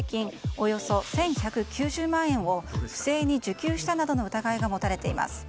およそ１１９０万円を不正に受給したなどの疑いが持たれています。